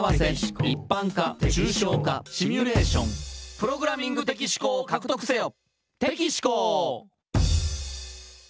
「プログラミング的思考を獲得せよ」